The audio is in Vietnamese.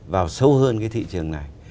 vào sâu hơn cái thị trường này